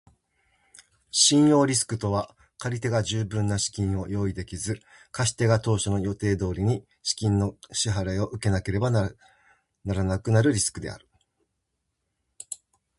信用リスクとは借り手が十分な資金を用意できず、貸し手が当初の予定通りに資金の支払を受けられなくなるリスクである。